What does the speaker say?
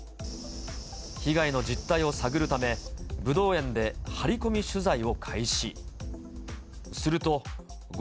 被害の実態を探るため、ブドウ園で張り込み取材を開始。